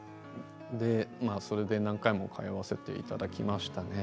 まあ、それで何回も通わせていただきましたね。